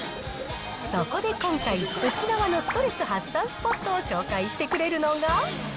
そこで今回、沖縄のストレス発散スポットを紹介してくれるのが。